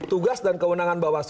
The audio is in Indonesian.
tugas dan kewenangan bawaslu